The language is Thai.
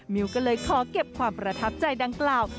มิวก็เลยขอเก็บความประทับใจดังกล่าว